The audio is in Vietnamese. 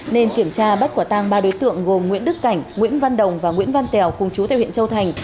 nên kiểm tra bắt quả tang ba đối tượng gồm nguyễn đức cảnh nguyễn văn đồng và nguyễn văn tẻo cùng chú tại huyện châu thành